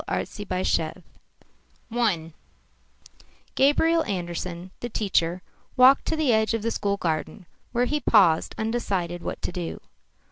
ARTZYBASHEV I Gabriel Andersen, the teacher, walked to the edge of the school garden, where he paused, undecided what to do.